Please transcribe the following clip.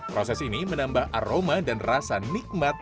proses ini menambah aroma dan rasa nikmat